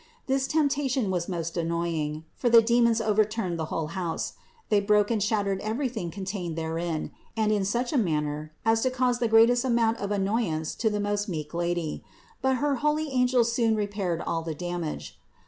This temptation was most annoying, for the demons overturned the whole house: they broke and 278 CITY OF GOD shattered everything contained therein, and in such a manner as to cause the greatest amount of annoyance to the most meek Lady ; but her holy angels soon repaired all the damage.